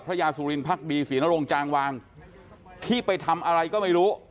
ยาสุรินพักดีศรีนรงจางวางที่ไปทำอะไรก็ไม่รู้